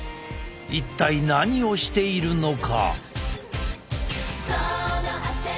一体何をしているのか？